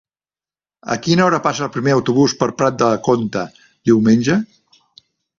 A quina hora passa el primer autobús per Prat de Comte diumenge?